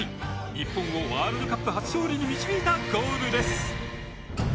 日本をワールドカップ初勝利に導いたゴールです。